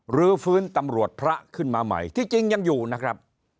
รื้อฟื้นตำรวจพระขึ้นมาใหม่ที่จริงยังอยู่นะครับ